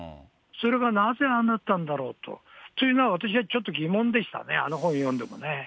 それがなぜああなったんだろうと、というのは、ちょっとあのとき私は疑問でしたね、あの本読んでもね。